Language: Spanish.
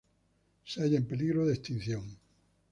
Se halla en peligro de extinción.